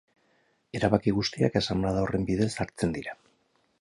Erabaki guztiak Asanblada horren bidez hartzen dira.